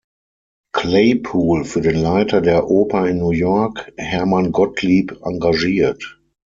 Claypool für den Leiter der Oper in New York, Herman Gottlieb, engagiert.